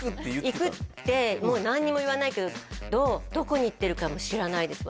行くって何にも言わないけどどこに行ってるかも知らないです